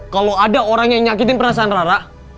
kalau ada orang yang nyakitin perasaan rara